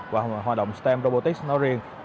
và hoạt động stem robotics nói riêng